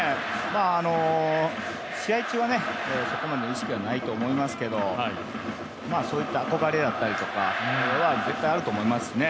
試合中はそこまでの意識はないと思いますけどそういった憧れだったりとかは絶対あると思いますね。